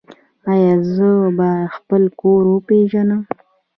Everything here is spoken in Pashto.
ایا زه به خپل کور وپیژنم؟